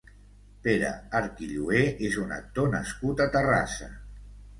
Pere Arquillué és un actor nascut a Terrassa.